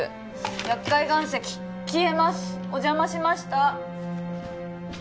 やっかい岩石消えますお邪魔しました